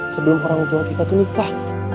sebelum orang tua kita itu nikah